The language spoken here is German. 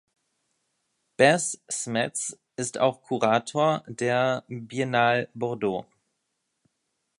Bas Smets ist auch Kurator der Biennale Bordeaux.